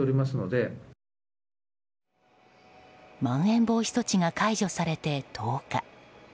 まん延防止措置が解除されて１０日。